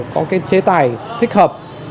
có cái chế tài thích hợp